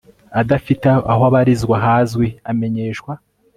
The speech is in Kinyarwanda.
adafite aho abarizwa hazwi amenyeshwa